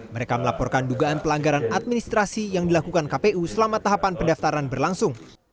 mereka melaporkan dugaan pelanggaran administrasi yang dilakukan kpu selama tahapan pendaftaran berlangsung